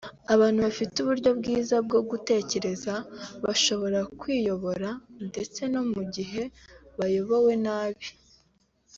“Abantu bafite uburyo bwiza bwo gutekereza bashobora kwiyobora ndetse no mu bihe bayobowe nabi”